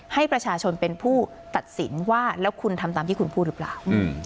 ให้ประชาชนเป็นผู้ตัดสินว่าแล้วคุณทำตามที่คุณพูดหรือเปล่า